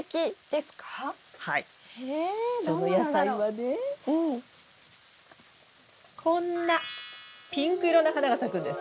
その野菜はねこんなピンク色の花が咲くんです。